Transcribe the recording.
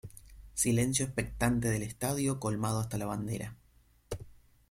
Silencio expectante del estadio colmado hasta la bandera.